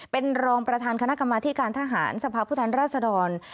เป็นรองประธานคณะกรรมาธิการทหารสภาพุทธรรษฎร